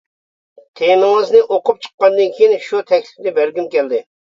تېمىڭىزنى ئوقۇپ چىققاندىن كىيىن شۇ تەكلىپنى بەرگۈم كەلدى.